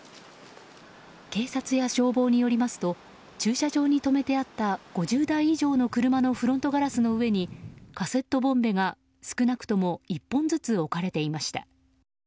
警察や消防によりますと駐車場に止めてあった５０台以上の車のフロントガラスの上にカセットボンベが少なくとも１本ずつ置かれていました。